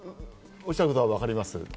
おっしゃることはわかります。